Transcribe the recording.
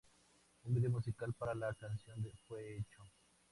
Un vídeo musical para la canción fue hecho.